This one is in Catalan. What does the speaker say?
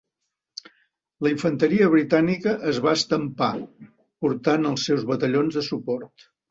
La infanteria britànica es va estampar, portant els seus batallons de suport.